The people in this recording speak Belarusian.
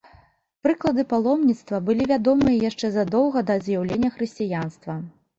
Прыклады паломніцтва былі вядомыя яшчэ задоўга да з'яўлення хрысціянства.